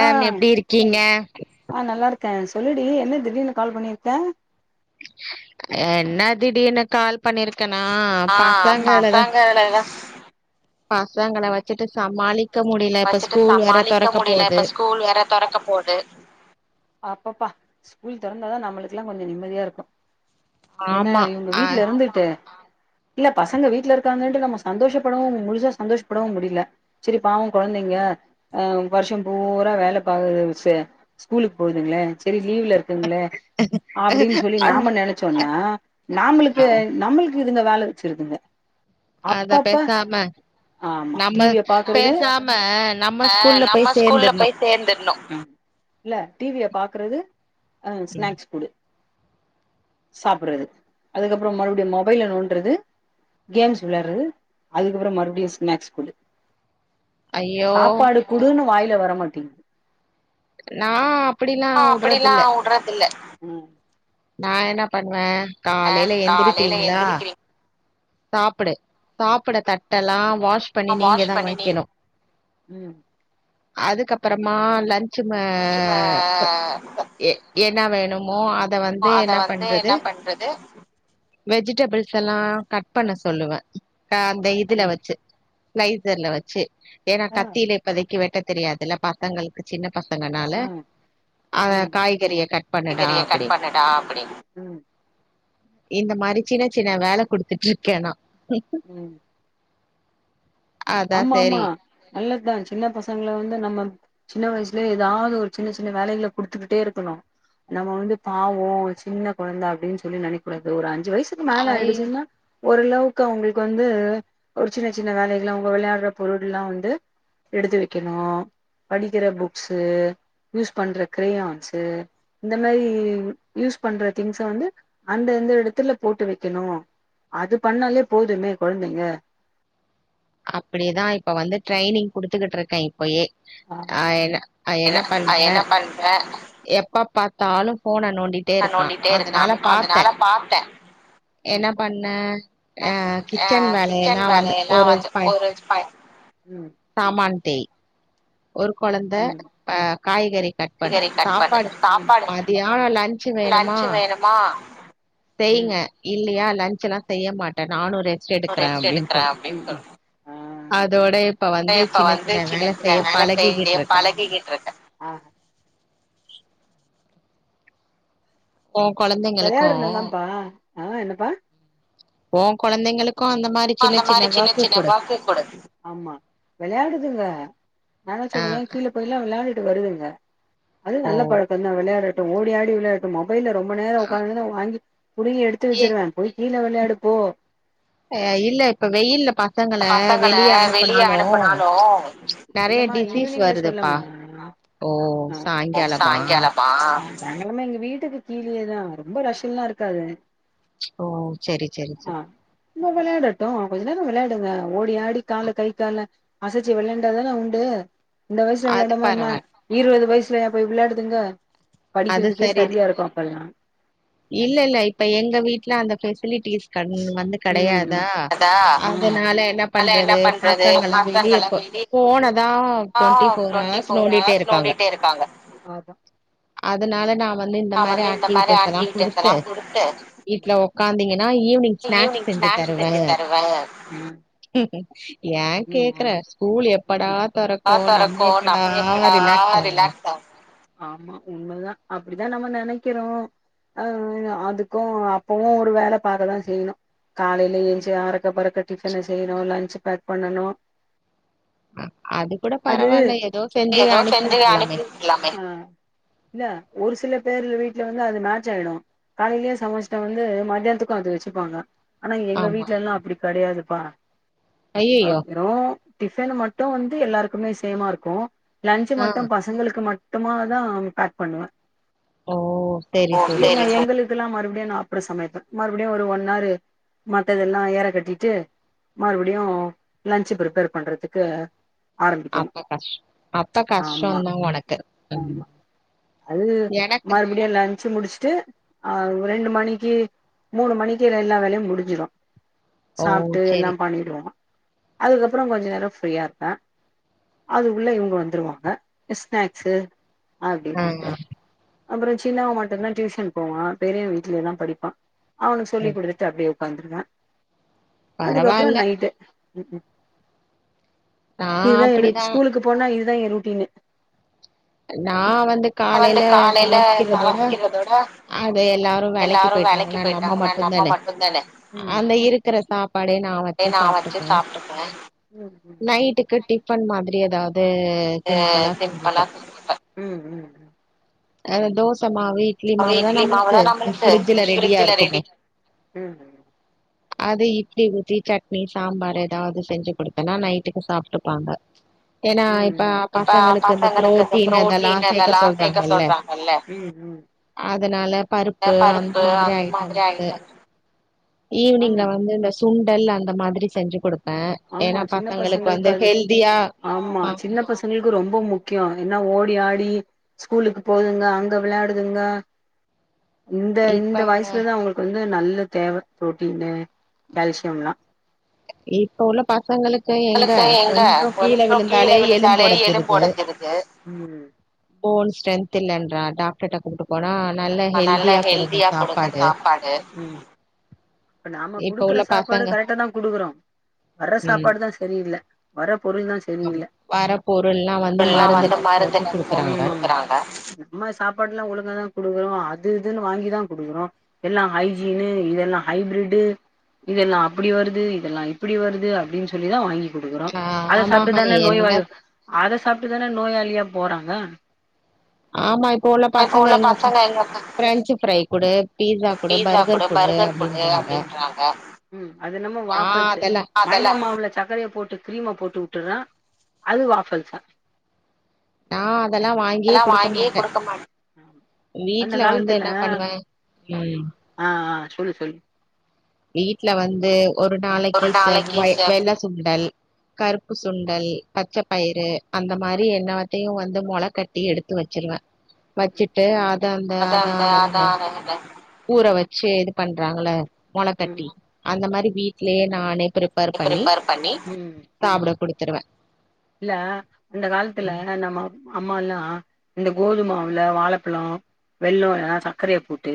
ஆ எப்டி இருக்கீங்க க சொல்லுடீ என்ன திடீனு கால் பண்ணிருக்க ஆ என்ன திடீனு கால் பண்ணிருக் ஆ பசங்கள தா பசங்கள வச்சுட்டு சமாளிக் வச்சுட்டு சமாளிக்க முடில இப்ப ஸ்கூல் வேற தொறக்கப் போது அப்பப்பா ஸ்கூல் தொறந்தாதா நம்மளுக்லா கொஞ்சொ நிம்மதியாருக்கு என்ன ஆமா இவுங்க ஆ வீட்ல இருந்துட்டு இல்ல பசங்க வீட்லருக்காங்கன்டு நம்ம சந்தோஷப்படவு முழுசா சந்தோஷப்படவும் முடில செரி பாவொ கொழந்தைங்க ஆ வர்ஷம் பூரா வேல பா செ ஸ்கூலுக் போதுங்ளே செரி லீவ்லருக்குங்ளே அப்டீன் சொல்லி நாம நெனச்சோன்னா நாமளுக்கு ஆமா நம்மள் கு இதுங்க வேல வச்சுருதுங்க அதா பேசாம நம்ப பேசாம் அ நம்ம ஸ்கூல்ல போய் சேர்ந்துர்ணு இல்ல டீவிய பாக்குறது அ ஸ்நாக்ஸ் குடு சாப்புர்றது அதுக்கப்றம் மறுப்டியு மொபைல நோன்றது கேம்ஸ் விளாட்றது அதுக்கப்றொ மறுப்டியு ஸ்நாக்ஸ் குடு ஐயோ சாப்பாடு குடுன்னு வாய்ல வர மாட்டி நா அப்டில்லா உட்றதில்ல ம் நா என்ன பண்ணுவே காலையில காலைல எந்திரக்கிறீங்களா எந்திரிக்கிறீங்க சாப்புடு சாப் சாப்பட தட்டலா வாஷ் பண்ணி நீங்க வாஷ் தா பண்ணி நீங்க வைக்கணு ம் அதுக்கப்பற மா லஞ் சும்மா லன்ச்சு ம எ என்னா வேணு மோ அத வந்த் து அத என்ன வந்து பண்றது என்ன பண்றது வொஜிடபுள்ஸ் எல்லா கட் இப்பெண்ண சொல்லுவே அ அந்த இதுல ம் வச்சு பிளைசர்ல வச்சு ஏன்னா ஆ கத்தியில இப்பேதைக்கு வெட்ட தெரியாதுல்ல பக்கங்களுக்கு சின்ன பசங்கனால ஆ அத ம் காய்கறிய கட் பண்ணடா அப்படின் அப்படி ம் இந்த மாரி சின்ன சின்ன வேல குடுத்துட்டு இருக்கே நா கக்கு ம் அதா செரி நல்லதா சின்ன பசங்கள வந்து நம்ம சின்ன வயசுல ஏதாவது ஒரு சின்ன சின்ன வேலைகள குடுத்துக்கிட்டே இருக்கணு நம்ம வந்து பாவோ சின்ன கொழந்த அப்புடின் சொல்லி நெனைக்கூடாது ஒரு அஞ்சு ஞ்சு வயசுக்கு மேல ஆய் ஆய்டுச்சுன்னா ஓரளவுக்கு அவுங்களுக்கு வந்து ஒரு சின்ன சின்ன வேலை இல்ல அவுங்க வெளையாடுற பொருள் எல்லா வந்து எடுத்து வெக்கணு படிக்கிற புக்ஸு யூஸ் பண்ற கிரேயான்ஸு இந்த மாரி யூஸ் பண்ற திங்ஸ் வந்து அந்தந்த இடத்துல போட்டு வைக்கணு அது பண்ணாலே போதுமே கொழந்தைங்க அப்படிதா இப்ப வந்து ட்ரைனிங் குடுத்துக்கிட்ருக்கே இப்பயே ஆ என்ன ஆ என்ன அஹ் பண்றே என்ன பண்ற எப்ப பா தாலு போன நோண்டிட்டே இருக்கா நோண்டிட்டே இருக்கா அதனால பாத்தே அதனால பாத்தே என்ன பண்ண அ அ கிச்சன் கிச்சன் வேலையெல்லா வந்து வேலையெல்லா ஒரு வந்து ப ஒரு ம் சாமன்தேய் ஒரு கொழந்த ம் ஆ காய்கறி கட் பண்ணு காய்கறி கட் பண்ணு சாப்பாடு சாப்பாடு மதியாணோ லன்ஞ்சு வேணுமா லன்ச்சு வேணுமா செய்ங்க இல்லியா லன்ஞ்ச் எல்லா செய்ய மாட்டே நானு ரெஸ்ட் ஒரு எடுக்கறே ரெஸ்ட் அப்டின் எடுக்கறே சொல் அப்டின்னு சொல் அதோட இப்ப வந்து இப்ப சின்ன வந்து சின்ன வேல சின்ன செய்ய வேல பெ [unintelligible] பழகிக்கிட்டு இருக்கே பழகிக்கிட்டு இருக்கே ஆ ஓ கொழந்தைங்களுக்கு வெளையாடுனதாப்பா ஆ என்னப்பா ஓ கொழந்தைங்களுக் அந்த மாரி சின்ன சின்ன வாக்குகூட ஆமா வெளையாடுதுங்க நா தா ஆ சொல்றனே கீழ போயில்லா விள்யாடி வருதுங்க அது ஓ நல்ல பழக்கந்தா விளையாடற ஓடி ஆடி விளையாடுட் வெயில்ல ரொம்ப நேர உக்காந்துருந்த வாங்கி புடுங்கி எடுத்து ஏ வெச்சிருவே போய் கீழ வெளயாடு போ ஆ இல்ல இப்ப வெயில்ல பசங்கள பசங்கள வெளிய வெளிய அனுப்புனாலு அனுப்புனாலும் நறைய இல்லமா டிசீஸ் ஈவினிங்ல வருதுப்பா சொல்லமா ஓ சாய்ங்காலமா சாங்காலமா எங்க வீட்டுக்கு கீழியேதா ரொம்ப ரஷ் எல்லா இருக்காது ஓ செரி செரி செரி ல வெளையாடட்டு கொஞ்ச நேர வெளையாடுங்க ஓடி ஆடி கால கை கால அசைச்சி வெளயாண்டாதான உண்டு இந்த வயுசுல அது விளையாடாம என்ன பரவால் இருவது வய்சு லயா போய் விளையாடுதுங்க அது படிக்கிறதுக்கே சரி சரியா இருக்கு அப்பல்லா இல்ல இல்ல இப்ப எங்க வீட்ல அந்த ஃபெசிலிட்டிஸ் வந்து கடையாதா அதனால என்ன பண்றது பசங்க வெளியே போ போனத ஆ twenty four twenty hours four நோண்டிட்டே ஹவர்ஸ் இருக்காங்க நோண்டிட்டே இருக்காங்க அதா அதனால நா வந்து இந்த நா மாரி மாரி ஆக்டிவிட்டிஸ் எல்லா ஆக்டிவிட்டிஸ் குடுத்து எல்லா குடுத்து வீட்ல உக்காந்திங்கனா ஈவினிங் ஸ்நாக்ஸ் செஞ்சு தருவே ம் ஏ கேக்குற ஸ்கூல் எப்படா தொறக்கு நம்ம எப்படா ரிலாக்ஸ் ஆவோ ஆமா உண்மதா அப்டிதா நம்ம நெனைக்கிறோ அ அதுக்கு அப்பவு ஒரு வேல பாக்கதா செய்யணு காலையில எழுந்ச்சு அரக்க பறக்க டிஃபன செய்யணு லன்ச்ச பேக் பண்ணணு அது கூட அது பரவால்ல ஏதோ செஞ்சு அனுப்பி விட்ரலாமே அ இல்ல ஒரு சில பேரு வீட்ல வந்து அது மேட்ச் ஆயிடு காலைலயே சமைச்சிட்டா வந்து மதியானத்துக்கு அது வெச்சுப்பாங்க ஆனா எங்க ஆமா வீட்ல எல்லா அப்டி கெடையாது பார ஐயையோ! அரைக்கிறோ டிஃபன் மட்டு வந்து எல்லாருக்குமே சேமாருக்கு லஞ்சு ஆ. மட்டு பசங்களுக்கு மட் ட்டுமாதா பேக் பண்ணுவே ஓ செரி செரி அதுலா மறுபடியு நா அப்றொ சமைப்பெ மறுபடியு ஒரு ஒன் ஆரு மத்ததெல்லா ஏற கட்டிட்டு மறுபடியு லஞ்சு ப்ரிப்பேர் பண்றதுக்கு ஆரம்பிக்கணு அப்ப கஷ் அப்ப ஆமா கஷ்டம் தான் உனக்கு. ம். ஆமா அது எனக்கு மறுபடியு லன்ச்சு முடிச்சு ட்டு ஆஹ் ரெண்டு மணிக்கு மூணு மணிக்கு எல்லா வேலையும் முடிஞ்சிடும் ஓ! சாப்பிட்டு சரி. எல்லாம் பண்ணிடுவோம் அதுக்கப்புறம் கொஞ்ச நேரம் ஃப்ரீயா இருப்பேன் அதுக்குள்ள இவங்க வந்துருவாங்க ஸ்நாக்ஸு ஆ, அப்பிடிடட்டுட்ட அப்புறம் சின்னவன் மட்டும்தான் டியூஷன் போவான் பெரியவன் வீட்டுலேயே எல்லான் படிப்பான் அவனுக்கு ஓ! சொல்லி குடுத்து அப்படியே வந்துருங்க அதுக்கப்புறம் பரவால்ல. நைட்டு ம் நான் இதுதான் என்ன அப்படிதான். ஸ்கூலுக்கு போனா இது இதான் என் ருட்டின் நான் வந்து காலையில காலையில சமைக்கிறதோட சமைக்கிறதோட அத எல்லாரும் வேலைக்கு எல்லாரு போயிட்டாங்கனா நம்ம போயிட்டாங்கன்னா மட்டும் நம்ம தானே மட்டுந்தானே ம் அந்த இருக்கிற சாப்பாடே நான் வச்சு நா வச்சு சாப்பிட்டுப்பேன் சாப்ட்டுக்குவே ம் ம் நைட்டுக்கு டிஃபன் மா அதிலே ஏதாவது அ சிம்பிளா செஞ்சுப்பேன் உம் உம் அ தோச மா ம் ரெடியா இருக்குமே! ம் அது இட்லி ஊத்தி சட்னி சாம்பாரு எதாவ்து செஞ்சு கொடுத்தேனா நைட்டுக்கு சாப்ட்டுப்பாங்க ஏன்னா இப்ப ம் பசங்களுக்கு இந்த ப்ரோட்டீன் அதெல்லா புரோட்டீன் சேக்க இதெல்லா சேக்க சொல்றாங்கள்ள சொல்றாங்கல்ல ம் ம் அதனால பருப்பு அந்த மாதிரி ஐட்டம்ஸு ஈவுனிங்ல ஆமா வந்து இந் சுண்டல் அந்த மாதிரி செஞ்சு கொடுத் ஆமா சின்ன பசங்களுக்கு அது ஹெல்தியா ஆமா ஆ சின்ன பசங்களுக்கு ரொம்ப முக் கியு என்ன ஓடி ஆடி ஸ்கூலுக்கு போதுங்க அங்க விளயாடுதுங்க இந்த இப்ப இந்த வய்சு தா அவுங்ளுக் வந்து நல்ல [unintelligible] தேவ ப்ரோட்டீனு கால்சியம்லா இப்ப உள்ள பசங்களுக்கு ங்களுக்கு எங்க கீழ கொஞ்சோ கீழே விழுந்தாலே எலும்பு விழுந்தாலே எலும்பு ஒடஞ்சிருது ஒடஞ்சிடுது போன் ஸ்ட்ரென்த் இல்லன்றா டாக்டர்ட்ட கூட்டு போனா நல்லா ஹெல்தியா குடுங்க சாப்பாடு இப்ப நாம இப்ப குடுக்கற உள்ள சாப்பாடு பசங்க கரெக்டா தா குடுக்கறோ வர்ற ம் சாப்பாடு தா சரியில்ல வர பொருள் தா ஆமா. சரியில்ல வர பொருள்லா வந்து மருந்துல போட்டு குடுக்குறாங்க நம்ம சாப்பாடுல்லா ஒழுங்கா தா குடுக்கறோ [unintelligible] இது இதுன்னு வாங்கி தா குடுக்கறோ எல்லா ஹைஜீனு இதெல்லா ஹைப்ரெட்டு இதெல்லா அப்படி வருது இதெல்லா இப்படி வருது அப்டின் சொல்லி தா வாங்கி ஆ அத சாப்ட்டு ஆமாஹா தான என்ன நோய்வாய்வு அத சாப்ட்டு தான நோயாளியா போறாங்க ஆமா இப்போ உள்ள பசங்க எங்க [unintelligible] ஃப்ரென்ச்சு ஃப்ரை குடு பீஸா குடு பர்கர் குடு அப்டின் ம் அது என்னமோ நா வாஃபல்ஸு அதெல்லா மைதா மாவுல சக்கரைய போட்டு கிரீம போட் டு வுட்டர்றா அது வாஃபல்சா நா அதெல்லா வாங்கியே குடுக்க வாங்கியே மாட்டே குடுக்க மாட் அந்த வீட்ல வந்து காலத்துல என்ன ஆ பண்ணுவே ஆ சொல்லு தோழி வீட்ல வந்து ஒரு நாளைக்கு ஒரு நாளைக்கு செவ்வாய் ச வெள்ள சுண்டல் கருப்பு சுண் டல் பச்ச பயிறு அந்த மாரி எல்லாத்தயு வந்து மொள கட்டி எடுத்து வச்சிருவே வச்சுட்டு அது அந்த அத அதா அந்த அதா அத [unintelligible] ஊற வச் சு இது பண்றாங்கல்ல மொ தட்டி அந்த மாரி வீட்லயே நானே ப்ரிப்பர் பண்ணி ப்ரிப்பேர் பண்ணி ம் சாப்ட குடுத்துருவே இல்ல அந்த காலதுல்ல நம்ம அம் அம்மாலா இந்த கோதும உள்ள வாழப்பழோ வெள்ளோரு சர்க்கரைய போட் டு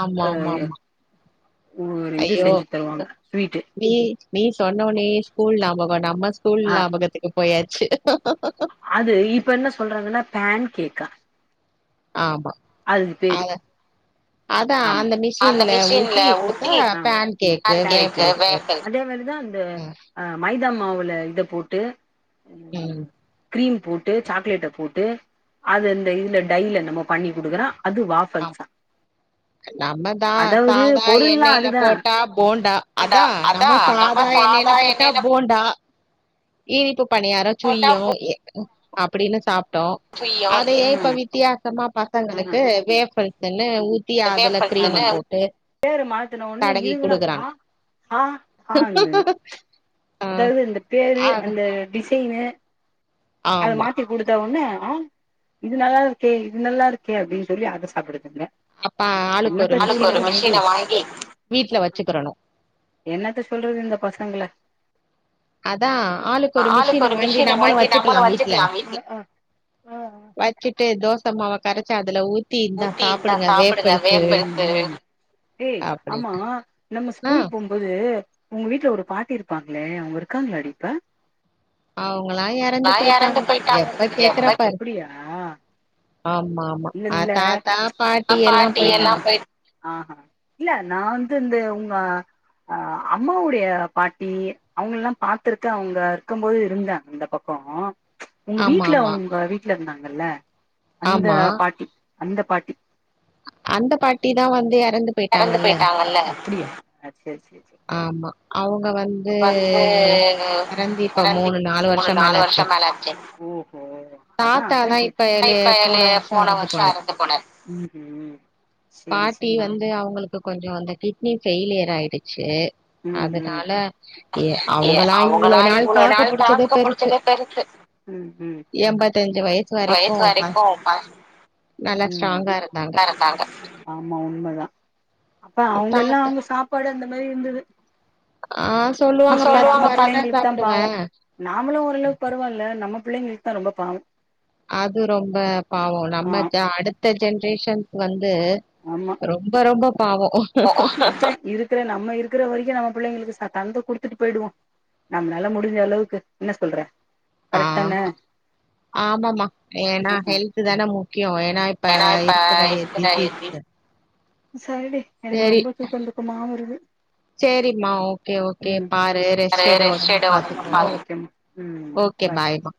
ஆமா ஆமா அஹ ஆமா ஒரு இது ஐயோ செஞ்சு தருவாங்க ஸ்வீட்டு நீ நீ சொன்னோன்னேய் ஸ்கூல் நாபகம் நம்ம ஆ ஸ்கூல்லாபாகதுக்கு போயாச்சு அது இப்ப என்ன சொல்றாங்கன்னா பேன் கேக்கா ஆமா அது பேரு அத ஆமா அந்த மிஷின்ல ஊத்தி பேன் கேக்கு வேபெல்ஸ் அ மாவுல இத போட்டு ம் [unintelligible] கிரீம் போட்டு சாக்லேட்ட போட்டு அது இந்த இதுல டைல நம்ம பண்ணி குடுக்கரா அது வாஃபல்ஸா. நம்ம தா அதாவது தாதா பொருள்லா எண்ணெய்ல அதுதா போட்டா போண்டா அதா நம்ம தாதா எண்ணெயில போட்டா போண்டா அ [unintelligible] இப் பணியார போட்டா சுய அப்டின்னு சாப்பிட்டோ புரியு அதையே இப்ப ம் வித்தியாசமா ம் பசங்களுக்கு வேப் [unintelligible] பேரு மாத்தன ஒட்னே தடவி இதுங்க குடுக்குறாங்க ஹ ஹ ஹ ந்து ஆ அதாவது இந்த பேரு அத அந்த டிசைனு அத ஆமா மாத்தி குடுத்த உடனே ஆஹ் இது நல்லா இருக்கே இது நல்லா இருக்கே அப்டினு சொல்லி அத சாப்டுதுங்க அப்ப ஆளுக்கு என்னத்த ஒரு சொல்றது மிஷின ஆளுக்கொரு மெஷினா வாங்கி வீட்ல வச்சுக்கிறணு என்னத்த சொல்றது இந்த பசங்கள அதா ஆளுக்கொரு மிஷின வாங்கி நம்மளு வச் நம்மளு வச்சுக்கலா வீட்ல அ அ அ தோசை மாவ கரைச்சி அதுல்ல ஊத்தி இந்தா ஊத்தி இருக்கான் சாப்பிடுங்க வேஃபல்ஸு வேப்பந்து ஏ ஆமா அப்டின்னு நம்ம ஆ ஸ்கூல் போம்போது உங்க வீட்டு்ல ஒரு பாட்டி இருப்பாங்களே அவங்க இருக்காங்களாடி இப்ப அவங்களா எறந்து ந இறந்து போயிட்டாங்க போயிட்டாங்க எப்ப கேக்குற எப்ப பாரு ஆமா ஆமா ஆ இல்ல தாத்தா எல்லா பாட்டி போயிட்டாங்க எல்லாம் போய்ட்டாங்க ஆ இல்ல நான் அந்த உங்க அ அம்மாவுடைய பாட்டி அவங்க எல்லா பாத்துருக்க அவங்க இருக்கும் போது இருந்த இந்த பக்கம் ச் உங்க ஆமா வீட்ல ஆமா உங்க வீட்ல இருந்தாங்க ல்ல அந்த ஆமா பாட்டி அந்த பாட்டி அந்த பாட்டி தா வந்து எறந்து போய்ட்டாங்கல்ல போயிட்டாங்கல்ல அப்டியா அ ஆமா அவங்க வந் ஓ இப்ப மூணு நாலு வருஷம் மேல ஆச்சு ஓ அதா தாத்தா அதா தான் இப்ப கேட்டே எழு போன வருஷம் எறந்து போனாரு ம் ம் சேரி பாட்டி சேரி வந்து அவங்களுக்கு கொஞ்சோ அந்த கிட்னி ஃபெயிலியர் ஆயிடு சேர் ம் ம் அதனால எ ஏ அவுங்களா இவ்ளொ அவங்களா நாள் இவ்ளோ தாக்குப் புடிச்சதே தாக்கு பெருசு புடிச்சதே பெருசு ம் எம்பத்தஞ் ம் நல்லா ஸ்ட்ராங்கா இருந்தாங்க ஆமா உண்மதா அப்ப அவ்ங்கல்லா தாத்தா அவுங்க சாப்பாடு அந்த மய் இந்துது ஆ சொல்லுவாங்க பத்து பரோட்டா சாப்புடுவே நாமளு ஓரளவ் பருவால்ல நம்ம பிள்ளைங்ளுக் தா ரொம்ப பாவ் அது ரொம்ப பாவோ நம்ம ஜா அடுத்த ஜன் டேஷன்க் வந்த் து ஆமா ரொம்ப ரொம்ப பாவோ புள்ளைங்களுக்கு ச தந்து குடுத்துட்டு போய்டுவோ நம்ளால முடிஞ்ச அளவ்க்கு இன்ன சொல்ற கரெக்ட் ஆஹ் தான ஆமாமா ஏன்னா ஹெல்த்து தான மூ க்யோவ் ஏன்னா இப்ப இர்க்குற யே டிசீஸு சரிடே எனக் ரொம்ப தூக்கன் தூக்கமா வருது ச்செரிம்மா ஓகே ஓகே ம் பாரு ரெஸ்ட் எடு ஒடம்பு பாத்துக்கோ ம் ஓகே பாய் பாய்மா